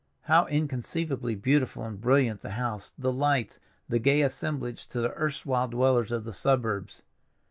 How inconceivably beautiful and brilliant the house, the lights, the gay assemblage to the erstwhile dwellers of the suburbs!